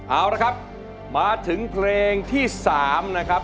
เอาละครับมาถึงเพลงที่๓นะครับ